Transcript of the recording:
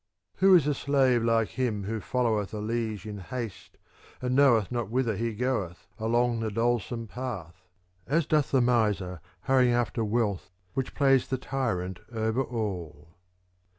IV Who is a slave like him who followeth a liege in haste, and knoweth not whither he goeth, along the dolesome path ; as doth the miser hurrying after wealth which plays the tyrant over all.